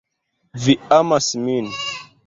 Vi amas min